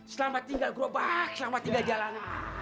selamat tinggal grup selamat tinggal jalan